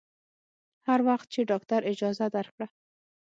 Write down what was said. هر وخت چې ډاکتر اجازه درکړه.